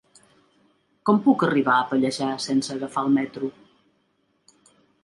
Com puc arribar a Pallejà sense agafar el metro?